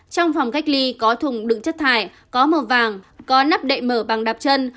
trong phòng cách ly có thùng đựng chất thải có màu vàng có nắp đậy mở bằng đạp chân